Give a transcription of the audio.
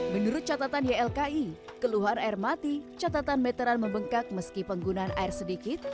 menurut catatan ylki keluhan air mati catatan meteran membengkak meski penggunaan air sedikit